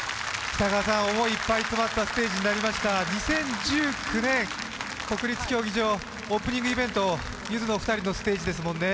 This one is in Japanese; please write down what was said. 北川さん、思いがいっぱい詰まったステージになりましたが、２０１９年国立競技場オープニングイベント、ゆずのお二人のステージですもんね。